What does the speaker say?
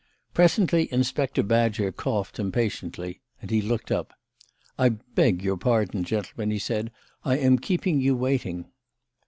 Presently Inspector Badger coughed impatiently and he looked up. "I beg your pardon, gentlemen," he said. "I am keeping you waiting."